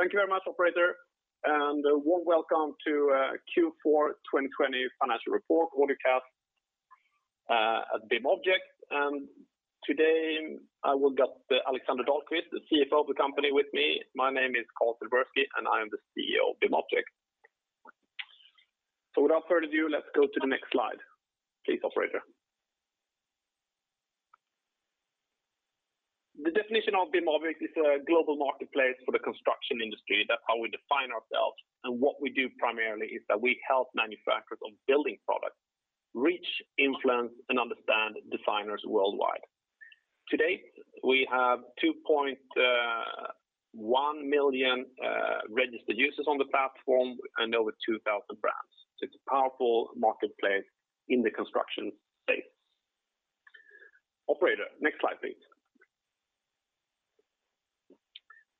Thank you very much, operator, a warm welcome to Q4 2020 financial report webcast at BIMobject. Today I will get Alexander Dahlquist, the CFO of the company with me. My name is Carl Silbersky, and I am the CEO of BIMobject. Without further ado, let's go to the next slide, please, operator. The definition of BIMobject is a global marketplace for the construction industry. That's how we define ourselves. What we do primarily is that we help manufacturers of building products reach, influence, and understand designers worldwide. Today, we have 2.1 million registered users on the platform and over 2,000 brands. It's a powerful marketplace in the construction space. Operator, next slide, please.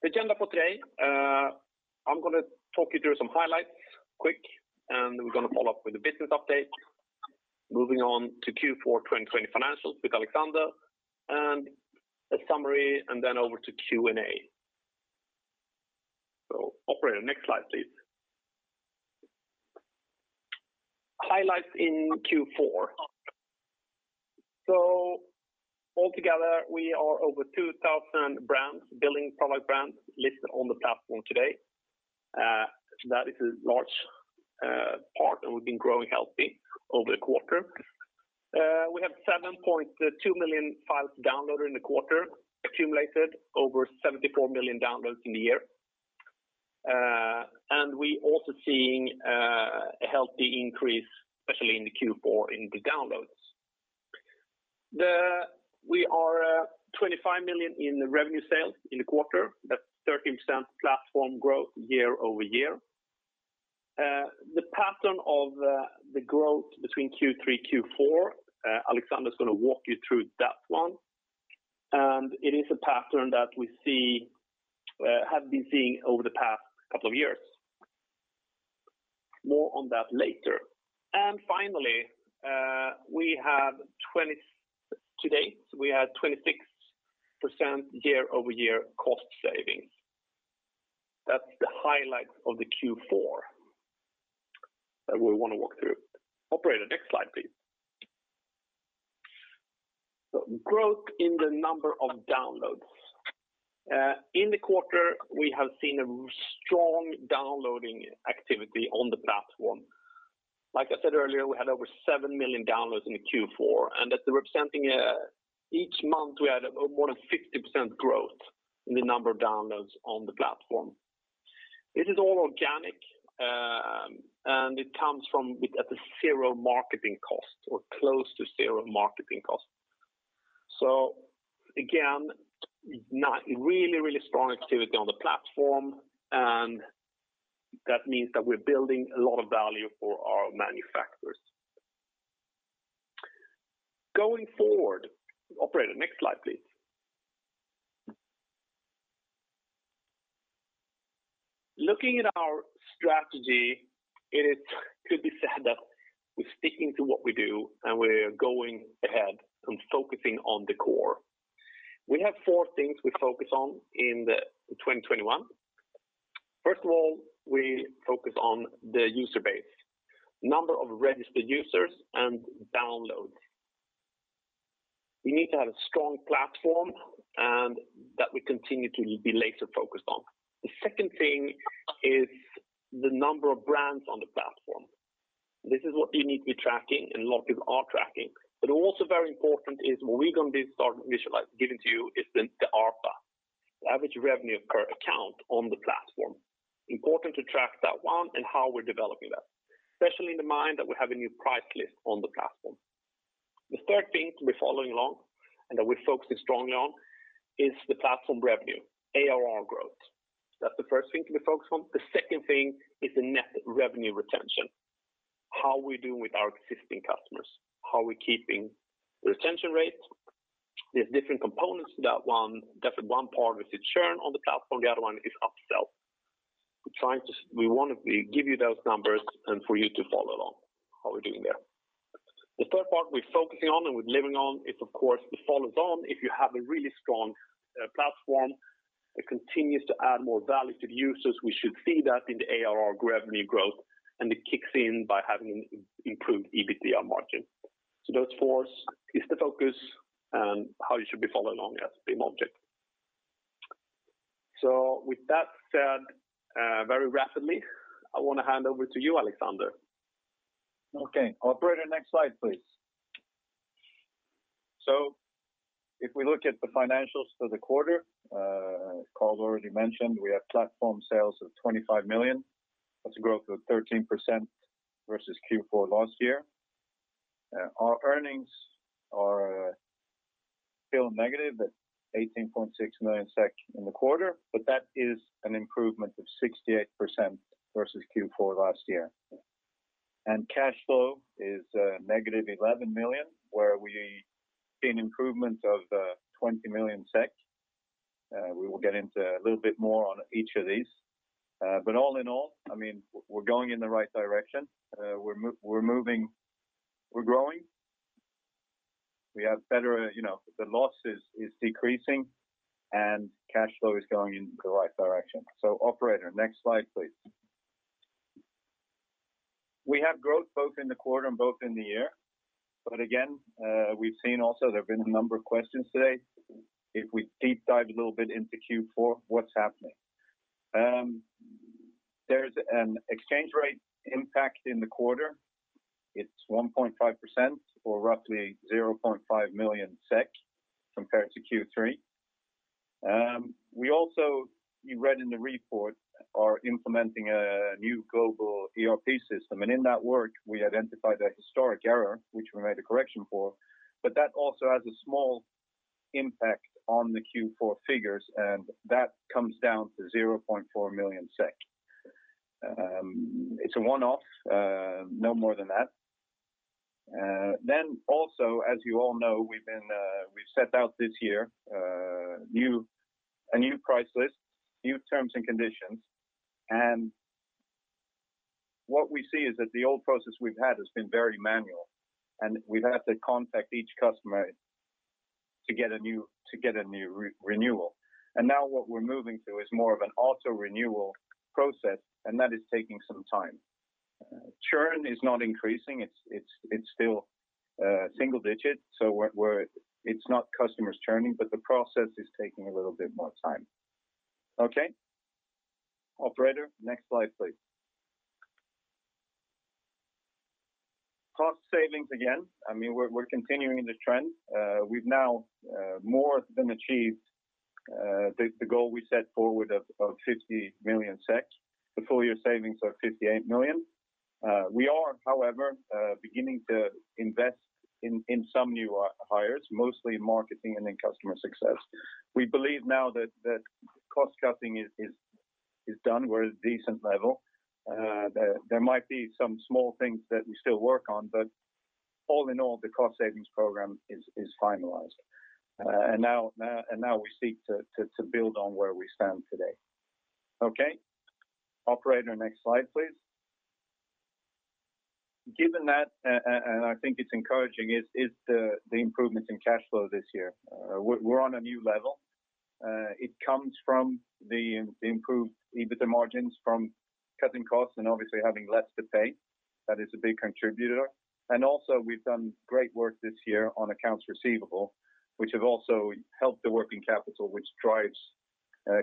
The agenda for today, I'm going to talk you through some highlights quick, and we're going to follow up with a business update. Moving on to Q4 2020 financials with Alexander, and a summary, and then over to Q&A. Operator, next slide, please. Highlights in Q4. Altogether, we are over 2,000 building product brands listed on the platform today. That is a large part and we've been growing healthy over the quarter. We have 7.2 million files downloaded in the quarter, accumulated over 74 million downloads in the year. We also seeing a healthy increase, especially in the Q4, in the downloads. We are 25 million in revenue sales in the quarter. That's 13% platform growth year-over-year. The pattern of the growth between Q3, Q4, Alexander's going to walk you through that one. It is a pattern that we have been seeing over the past couple of years. More on that later. Finally, to date, we had 26% year-over-year cost savings. That's the highlights of the Q4 that we want to walk through. Operator, next slide, please. Growth in the number of downloads. In the quarter, we have seen a strong downloading activity on the platform. Like I said earlier, we had over seven million downloads in the Q4. That's representing each month we had more than 50% growth in the number of downloads on the platform. It is all organic. It comes from with at a zero marketing cost or close to zero marketing cost. Again, really strong activity on the platform. That means that we're building a lot of value for our manufacturers. Going forward, operator, next slide, please. Looking at our strategy, it could be said that we're sticking to what we do. We're going ahead and focusing on the core. We have four things we focus on in 2021. First of all, we focus on the user base, number of registered users, and downloads. We need to have a strong platform, and that we continue to be laser-focused on. The second thing is the number of brands on the platform. This is what you need to be tracking, and a lot of people are tracking. Also very important is what we're going to start visualize giving to you is the ARPA, the average revenue per account on the platform. Important to track that one and how we're developing that, especially in the mind that we have a new price list on the platform. The third thing to be following along and that we're focusing strongly on is the platform revenue, ARR growth. That's the first thing to be focused on. The second thing is the net revenue retention. How we're doing with our existing customers, how we're keeping the retention rate. There's different components to that one. That's one part with the churn on the platform. The other one is upsell. We want to give you those numbers and for you to follow along how we're doing there. The third part we're focusing on and we're living on is, of course, it follows on if you have a really strong platform, it continues to add more value to the users. We should see that in the ARR revenue growth, and it kicks in by having improved EBITDA margin. Those four is the focus and how you should be following along as BIMobject. With that said, very rapidly, I want to hand over to you, Alexander. Okay. Operator, next slide, please. If we look at the financials for the quarter, Carl's already mentioned we have platform sales of 25 million. That's a growth of 13% versus Q4 last year. Our earnings are still negative at 18.6 million SEK in the quarter, but that is an improvement of 68% versus Q4 last year. Cash flow is -11 million, where we see an improvement of 20 million SEK. We will get into a little bit more on each of these. All in all, we're going in the right direction. We're moving, we're growing. The loss is decreasing, and cash flow is going in the right direction. Operator, next slide, please. We have growth both in the quarter and both in the year. Again, we've seen also there have been a number of questions today. If we deep dive a little bit into Q4, what's happening? There's an exchange rate impact in the quarter. It's 1.5% or roughly 0.5 million compared to Q3. We also, you read in the report, are implementing a new global ERP system, and in that work, we identified a historic error, which we made a correction for, but that also has a small impact on the Q4 figures, and that comes down to 0.4 million SEK. It's a one-off, no more than that. Also, as you all know, we've set out this year a new price list, new terms and conditions. What we see is that the old process we've had has been very manual, and we've had to contact each customer to get a new renewal. Now what we're moving to is more of an auto-renewal process, and that is taking some time. Churn is not increasing. It's still single digit. It's not customers churning, but the process is taking a little bit more time. Okay. Operator, next slide, please. Cost savings, again. We're continuing the trend. We've now more than achieved the goal we set forward of 50 million SEK. The full-year savings are 58 million. We are, however, beginning to invest in some new hires, mostly in marketing and in customer success. We believe now that cost-cutting is done. We're at a decent level. There might be some small things that we still work on, but all in all, the cost savings program is finalized. Now we seek to build on where we stand today. Okay. Operator, next slide, please. Given that, and I think it's encouraging, is the improvements in cash flow this year. We're on a new level. It comes from the improved EBITDA margins from cutting costs and obviously having less to pay. That is a big contributor. Also, we've done great work this year on accounts receivable, which have also helped the working capital, which drives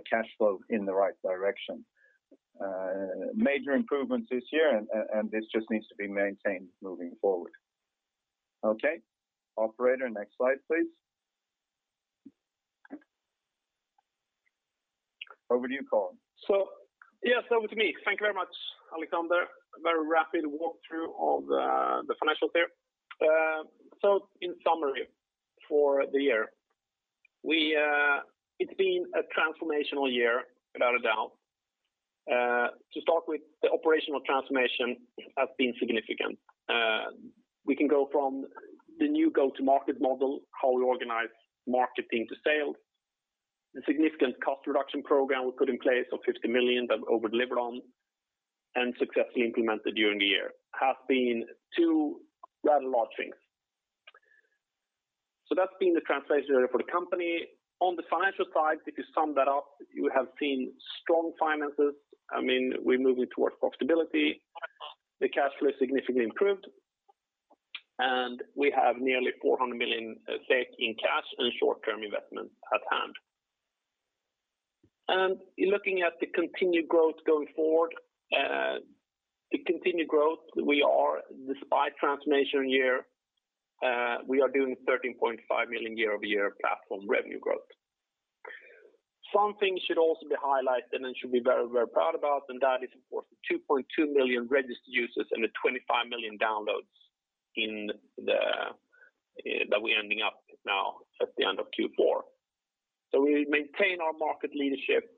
cash flow in the right direction. Major improvements this year, and this just needs to be maintained moving forward. Okay. Operator, next slide, please. Over to you, Carl. Yes, over to me. Thank you very much, Alexander. A very rapid walkthrough of the financials there. In summary, for the year, it's been a transformational year, without a doubt. To start with, the operational transformation has been significant. We can go from the new go-to-market model, how we organize marketing to sales, the significant cost reduction program we put in place of 50 million that we've over-delivered on, and successfully implemented during the year, have been two rather large things. That's been the transformation area for the company. On the financial side, if you sum that up, you have seen strong finances. We're moving towards profitability. The cash flow is significantly improved, and we have nearly 400 million in cash and short-term investments at hand. Looking at the continued growth going forward. The continued growth, despite transformation year, we are doing 13.5 million year-over-year platform revenue growth. Something should also be highlighted and should be very proud about, and that is, of course, the 2.2 million registered users and the 25 million downloads that we're ending up now at the end of Q4. We maintain our market leadership,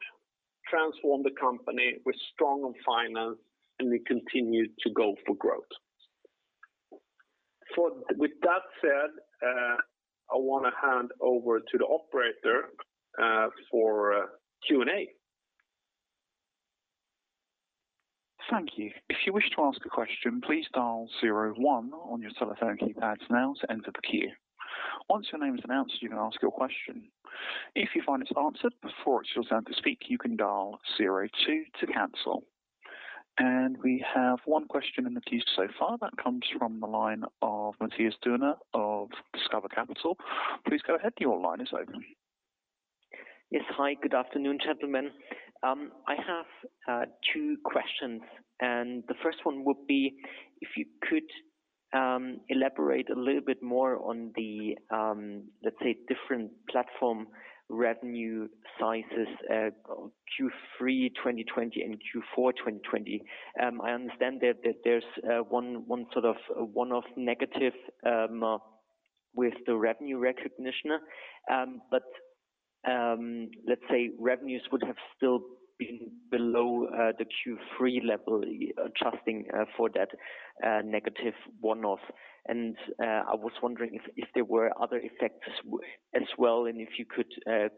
transform the company with strong finance, and we continue to go for growth. With that said, I want to hand over to the operator for Q&A. Thank you. If you wish to ask a question, please dial zero one on your telephone keypads now to enter the queue. Once your name is announced, you can ask your question. If you find it's answered before it's your turn to speak, you can dial zero two to cancel. We have one question in the queue so far. That comes from the line of Matthias Durner of Discover Capital. Please go ahead. Your line is open. Yes. Hi, good afternoon, gentlemen. I have two questions. The first one would be if you could elaborate a little bit more on the, let's say, different platform revenue sizes at Q3 2020 and Q4 2020. I understand that there's one sort of one-off negative with the revenue recognition. Revenues would have still been below the Q3 level, adjusting for that negative one-off. I was wondering if there were other effects as well, and if you could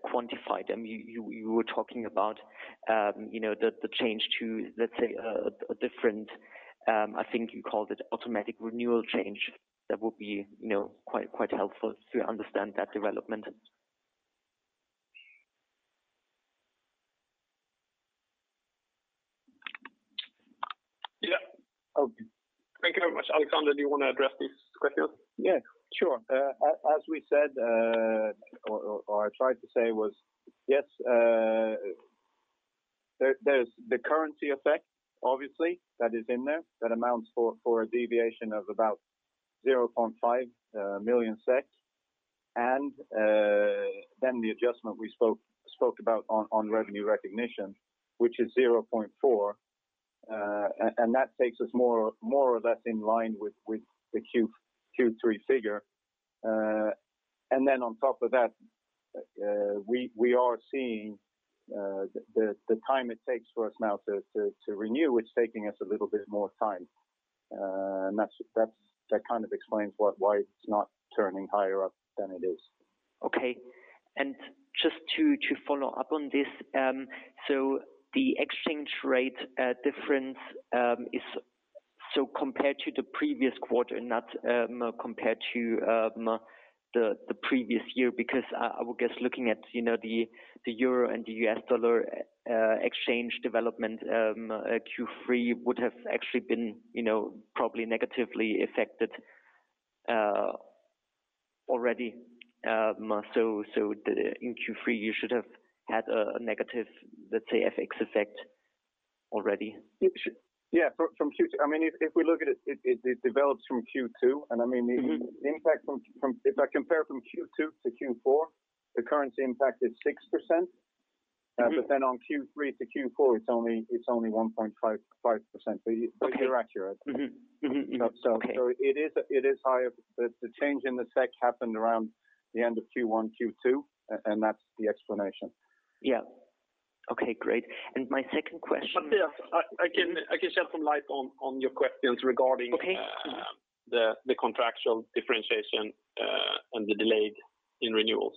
quantify them. You were talking about the change to, let's say, a different, I think you called it auto-renewal change that would be quite helpful to understand that development. Yeah. Thank you very much. Alexander, do you want to address these questions? Yeah, sure. As we said, or I tried to say was, yes, there's the currency effect, obviously, that is in there, that amounts for a deviation of about 0.5 million. The adjustment we spoke about on revenue recognition, which is 0.4 million, and that takes us more or less in line with the Q3 figure. On top of that, we are seeing the time it takes for us now to renew, it's taking us a little bit more time. That kind of explains why it's not turning higher up than it is. Okay. Just to follow up on this, the exchange rate difference is compared to the previous quarter, not compared to the previous year, because I would guess looking at the euro and the US dollar exchange development, Q3 would have actually been probably negatively affected already. In Q3, you should have had a negative, let's say, FX effect already. Yeah. If we look at it develops from Q2, and if I compare from Q2 to Q4, the currency impact is 6%. On Q3 to Q4, it's only 1.5%. You're accurate. Okay. It is higher, but the change in the SEK happened around the end of Q1, Q2, and that's the explanation. Yeah. Okay, great. My second question. Matthias, I can shed some light on your questions regarding... Okay ...the contractual differentiation and the delay in renewals.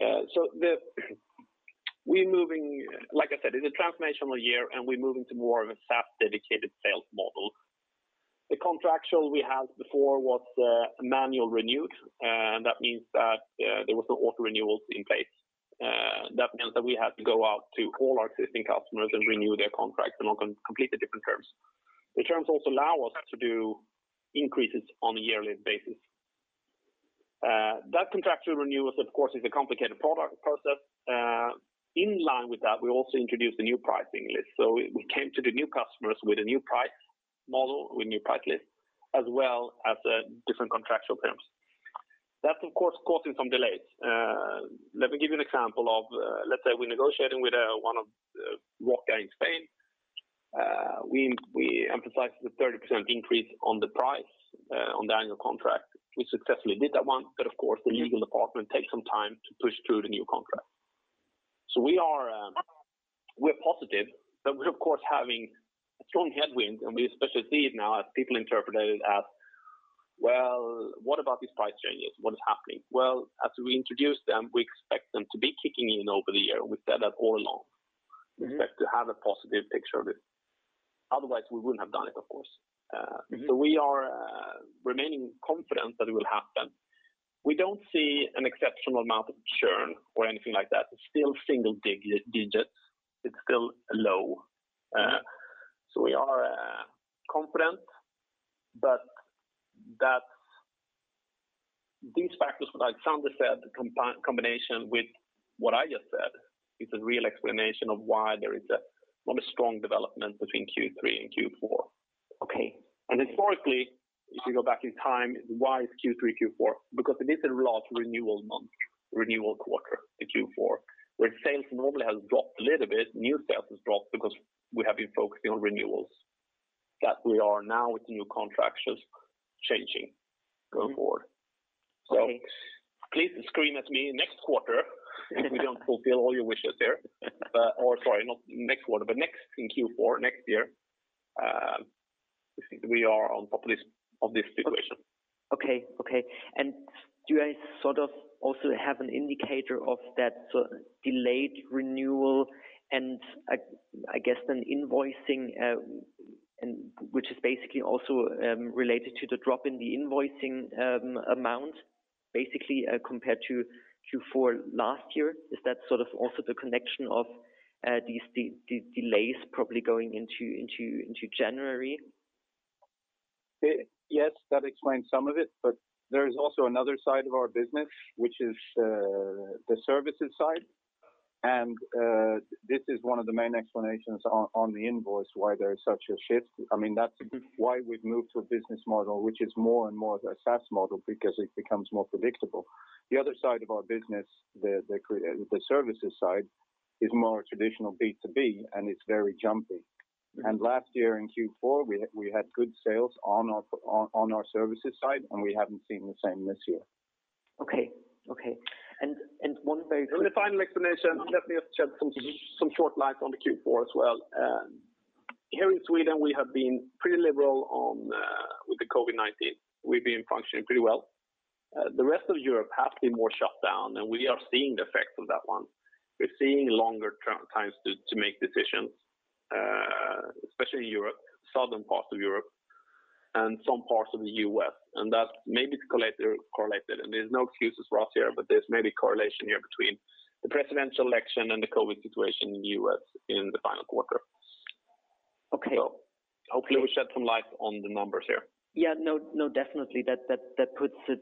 Like I said, it's a transformational year. We're moving to more of a SaaS-dedicated sales model. The contractual we had before was manual renewed. That means that there was no auto-renewals in place. That means that we had to go out to all our existing customers and renew their contracts on completely different terms. The terms also allow us to do increases on a yearly basis. That contractual renewal, of course, is a complicated process. In line with that, we also introduced a new pricing list. We came to the new customers with a new price model, with a new price list, as well as different contractual terms. That's, of course, causing some delays. Let me give you an example of, let's say, we're negotiating with one of Roca in Spain. We emphasized the 30% increase on the price on the annual contract. We successfully did that one, but of course, the legal department takes some time to push through the new contract. We're positive, but we're of course having strong headwinds, and we especially see it now as people interpret it as, "Well, what about these price changes? What is happening." Well, as we introduce them, we expect them to be kicking in over the year. We've said that all along. We expect to have a positive picture of it. Otherwise, we wouldn't have done it, of course. We are remaining confident that it will happen. We don't see an exceptional amount of churn or anything like that. It's still single digits. It's still low. We are confident, these factors, Alexander said, combination with what I just said, is a real explanation of why there is a not a strong development between Q3 and Q4. Okay. Historically, if you go back in time, why is Q3, Q4? Because it is a large renewal month, renewal quarter, the Q4, where sales normally has dropped a little bit. New sales has dropped because we have been focusing on renewals, that we are now with new contracts just changing going forward. Okay. Please scream at me next quarter if we don't fulfill all your wishes there. Sorry, not next quarter, but in Q4 next year. We are on top of this situation. Okay. Do I sort of also have an indicator of that delayed renewal and I guess then invoicing, which is basically also related to the drop in the invoicing amount basically, compared to Q4 last year? Is that sort of also the connection of these delays probably going into January? Yes, that explains some of it. There is also another side of our business, which is the services side. This is one of the main explanations on the invoice, why there is such a shift. That's why we've moved to a business model which is more and more the SaaS model because it becomes more predictable. The other side of our business, the services side, is more traditional B2B, and it's very jumpy. Last year in Q4, we had good sales on our services side, and we haven't seen the same this year. Okay. The final explanation, let me just shed some short light on the Q4 as well. Here in Sweden, we have been pretty liberal with the COVID-19. We've been functioning pretty well. The rest of Europe has been more shut down, and we are seeing the effects of that one. We're seeing longer times to make decisions, especially in Europe, southern parts of Europe, and some parts of the U.S. That's maybe correlated. There's no excuses for us here, but there's maybe correlation here between the presidential election and the COVID situation in the U.S. in the final quarter. Okay. Hopefully we shed some light on the numbers here. Yeah. No, definitely. That puts it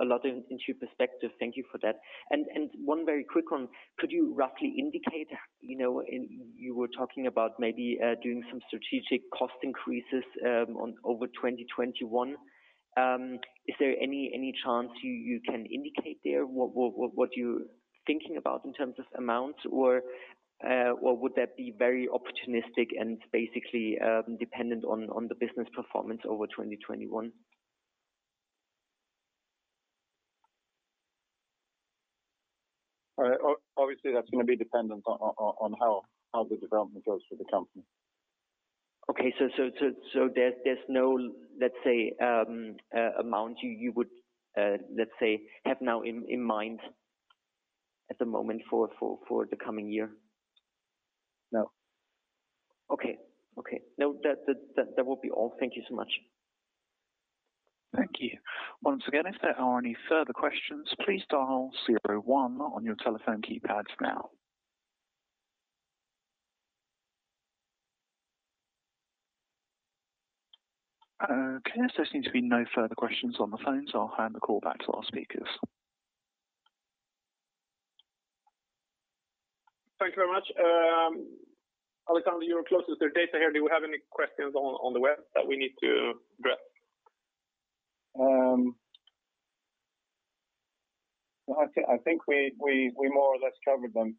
a lot into perspective. Thank you for that. One very quick one. Could you roughly indicate, you were talking about maybe doing some strategic cost increases over 2021. Is there any chance you can indicate there what you're thinking about in terms of amount? Would that be very opportunistic and basically dependent on the business performance over 2021? Obviously, that's going to be dependent on how the development goes for the company. Okay. There's no, let's say, amount you would, let's say, have now in mind at the moment for the coming year? No. Okay. No, that will be all. Thank you so much. Thank you. Once again, if there are any further questions, please dial zero one on your telephone keypads now. Okay, there seems to be no further questions on the phone. I'll hand the call back to our speakers. Thank you very much. Alexander, you're closest to data here. Do we have any questions on the web that we need to address? I think we more or less covered them.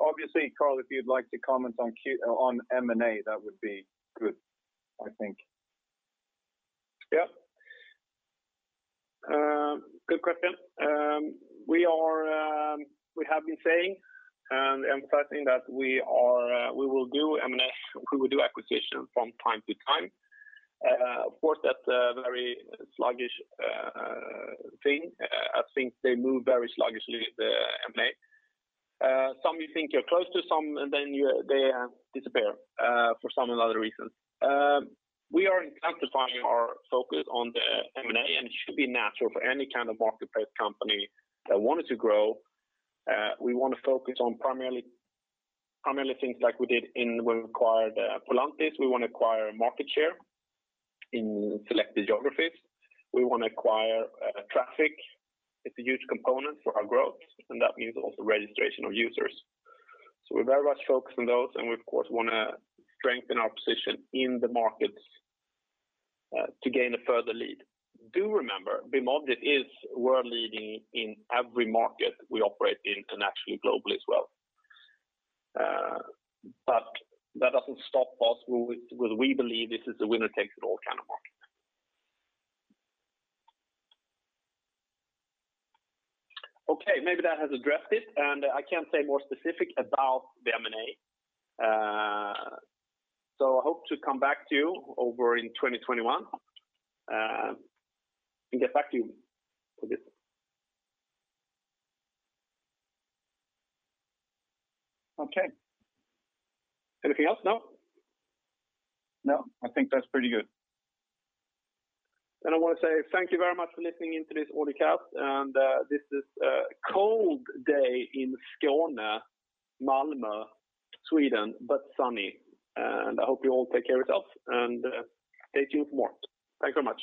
Obviously, Carl, if you'd like to comment on M&A, that would be good, I think. Yeah. Good question. We have been saying and emphasizing that we will do M&A, we will do acquisition from time to time. Of course, that's a very sluggish thing. I think they move very sluggishly, the M&A. Some you think you're close to, some and then they disappear for some and other reasons. We are intensifying our focus on the M&A, and it should be natural for any kind of market-based company that wanted to grow. We want to focus on primarily things like we did when we acquired Polantis. We want to acquire market share in selected geographies. We want to acquire traffic. It's a huge component for our growth, and that means also registration of users. We very much focus on those, and we, of course, want to strengthen our position in the markets to gain a further lead. Do remember, BIMobject is world-leading in every market we operate in internationally, globally as well. That doesn't stop us with we believe this is a winner-takes-it-all kind of market. Okay, maybe that has addressed it, and I can't say more specific about the M&A. I hope to come back to you over in 2021, and get back to you for this. Okay. Anything else? No? No, I think that's pretty good. I want to say thank you very much for listening in to this audio cast. This is a cold day in Skåne, Malmö, Sweden, but sunny. I hope you all take care of yourself and stay tuned for more. Thanks very much.